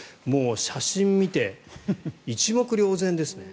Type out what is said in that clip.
写真を見て一目瞭然ですね。